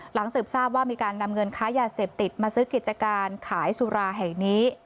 สืบทราบว่ามีการนำเงินค้ายาเสพติดมาซื้อกิจการขายสุราแห่งนี้